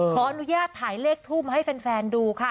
ขออนุญาตถ่ายเลขทูปให้แฟนดูค่ะ